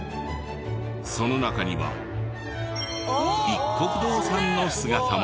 その中にはいっこく堂さんの姿も。